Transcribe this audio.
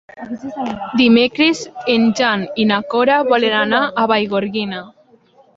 Dimecres en Jan i na Cora volen anar a Vallgorguina.